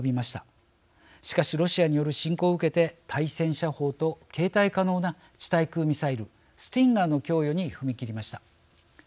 しかしロシアによる侵攻を受けて対戦車砲と携帯可能な地対空ミサイルスティンガーの供与に踏み切りました。